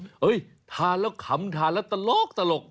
เฮ้ยทานแล้วขำทานแล้วตลก